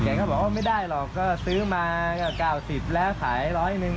ก็บอกว่าไม่ได้หรอกก็ซื้อมาก็๙๐แล้วขายร้อยหนึ่ง